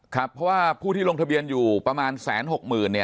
ครับเพราะว่าผู้ที่ลงทะเบียนอยู่ประมาณแสนหกหมื่นเนี่ย